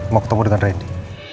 mau ketemu dengan randy